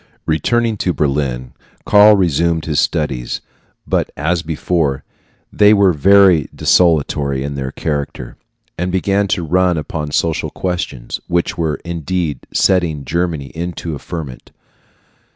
Returning to Berlin, Karl resumed his studies; but as before, they were very desultory in their character, and began to run upon social questions, which were indeed setting Germany into a ferment.